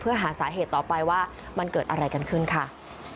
เพื่อหาสาเหตุต่อไปว่ามันเกิดอะไรกันขึ้นค่ะ